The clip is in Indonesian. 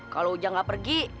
kalau ujang gak pergi